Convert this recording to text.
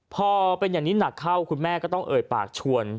พอเป็นอย่างนี้หนักเข้าคุณแม่ก็ต้องเอ่ยปากชวน